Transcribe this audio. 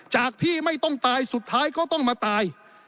ที่ไม่ต้องตายสุดท้ายก็ต้องมาตาย